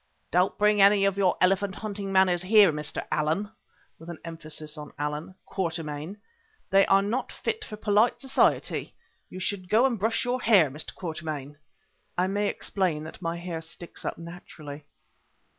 "Don't bring any of your elephant hunting manners here, Mr. Allan" (with an emphasis on the Allan) "Quatermain, they are not fit for polite society. You should go and brush your hair, Mr. Quatermain." (I may explain that my hair sticks up naturally.)